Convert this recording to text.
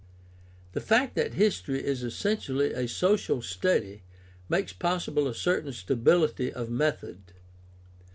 The fact that history is essentially a social study makes possible a certain stability of method.